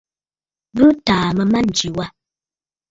Bɨ tàà mə̂ a mânjì wâ.